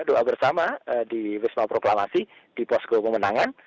doa bersama di wisma proklamasi di posko pemenangan